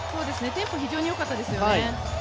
テンポ非常によかったですよね。